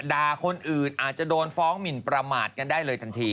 ด่าคนอื่นอาจจะโดนฟ้องหมินประมาทกันได้เลยทันที